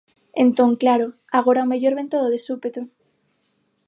Entón, claro, agora ao mellor vén todo de súpeto.